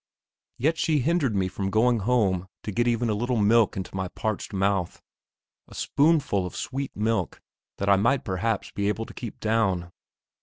Yet she hindered me from going home to get even a little milk into my parched mouth; a spoonful of sweet milk, that I might perhaps be able to keep down.